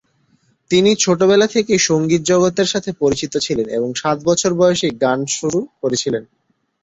তিনি ছোটবেলা থেকেই সংগীত জগতের সাথে পরিচিত ছিলেন এবং সাত বছর বয়সেই গান শুরু করেছিলেন।